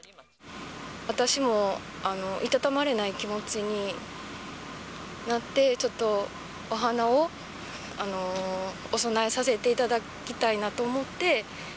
私も居たたまれない気持ちになって、ちょっとお花をお供えさせていただきたいなと思って。